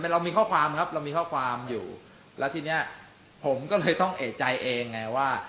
เรามีข้อความครับเรามีข้อความอยู่แล้วทีเนี้ยผมก็เลยต้องเอกใจเองไงว่า